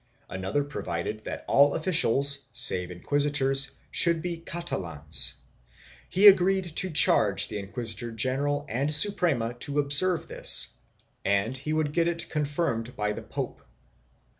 Another provided that all officials, save inquisitors, should be Catalans; he agreed to charge the inquisitor general and Suprema to observe this and he would get it confirmed by the pope.